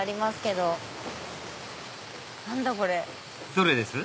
どれです？